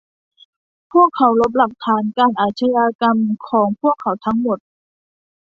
พวกเขาลบหลักฐานการอาชญากรรมของพวกเขาทั้งหมด